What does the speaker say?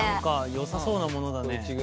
よさそうなものだね。